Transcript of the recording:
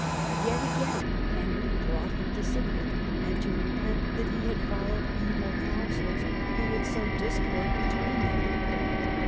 Yet again Henry brought him to submit, and to repent that he had followed evil counsellors who would sow discord be tween them.